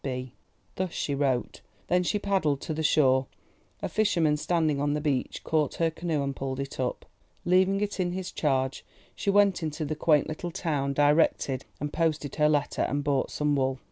—B." Thus she wrote. Then she paddled to the shore. A fisherman standing on the beach caught her canoe and pulled it up. Leaving it in his charge, she went into the quaint little town, directed and posted her letter, and bought some wool.